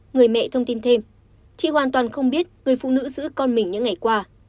người mẹ thông tin thêm chị hoàn toàn không biết người phụ nữ giữ con mình những ngày qua